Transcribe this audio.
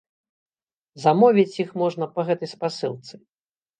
Замовіць іх можна па гэтай спасылцы.